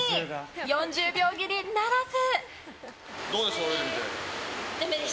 ４０秒切りならず。